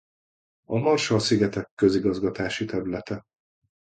A Marshall-szigetek közigazgatási területe.